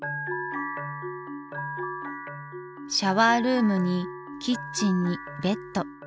シャワールームにキッチンにベッド。